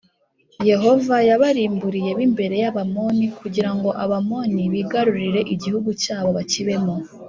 Yehova yabarimburiye b imbere y Abamoni kugira ngo Abamoni bigarurire igihugu cyabo bakibemo